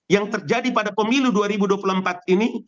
yang terjadi pada pemilu dua ribu dua puluh empat ini